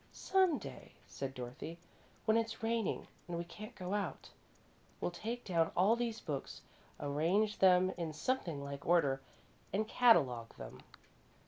"Some day," said Dorothy, "when it's raining and we can't go out, we'll take down all these books, arrange them in something like order, and catalogue them."